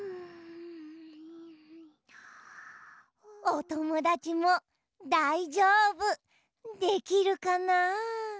おともだちもだいじょうぶできるかな？